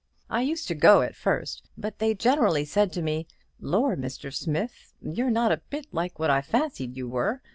I used to go at first. But they generally said to me, 'Lor', Mr. Smith, you're not a bit like what I fancied you were!